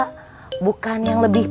kalau kita tuh bertandang ke yang lebih tua